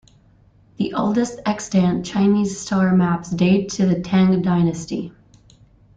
The oldest extant Chinese star maps date to the Tang dynasty.